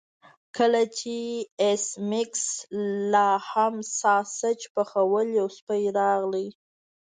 کله چې ایس میکس لاهم ساسج پخول یو سپی راغی